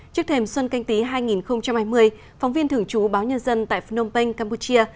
trước thềm xuân canh tí hai nghìn hai mươi phóng viên thưởng chú báo nhân dân tại phnom penh campuchia